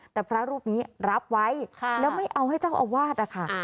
แต่พระรูปนี้รับไว้แล้วไม่เอาให้เจ้าอาวาสนะคะ